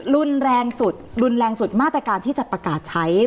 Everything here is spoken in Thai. รุนแรงสุดรุนแรงสุดมาตรการที่จะประกาศใช้